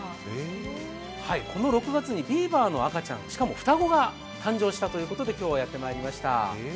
この６月にビーバーの赤ちゃん、しかも双子が誕生したということで今日はやってまいりました。